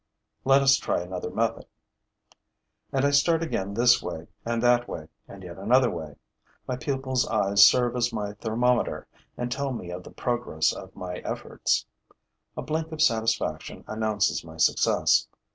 'Let us try another method.' And I start again this way and that way and yet another way. My pupil's eyes serve as my thermometer and tell me of the progress of my efforts. A blink of satisfaction announces my success.